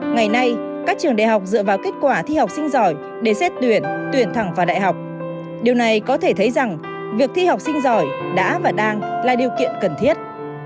ngày nay các trường đại học dựa vào kết quả thi học sinh giỏi để xét tuyển tuyển thẳng vào đại học điều này có thể thấy rằng việc thi học sinh giỏi đã và đang là điều kiện cần thiết